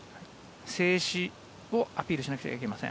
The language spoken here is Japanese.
静止をアピールしなくてはいけません。